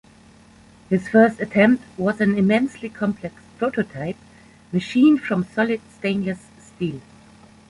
His first attempt was an immensely complex prototype machined from solid stainless steel.